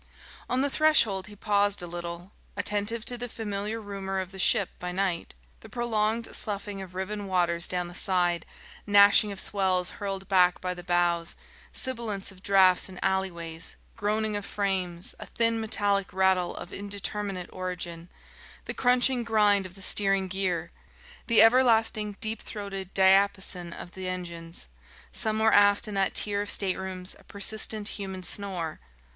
On the threshold he paused a little, attentive to the familiar rumour of the ship by night: the prolonged sloughing of riven waters down the side, gnashing of swells hurled back by the bows, sibilance of draughts in alleyways, groaning of frames, a thin metallic rattle of indeterminate origin, the crunching grind of the steering gear, the everlasting deep throated diapason of the engines, somewhere aft in that tier of staterooms a persistent human snore